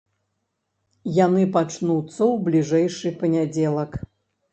Яны пачнуцца ў бліжэйшы панядзелак.